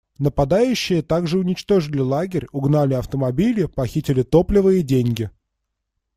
Нападающие также уничтожили лагерь, угнали автомобили, похитили топливо и деньги.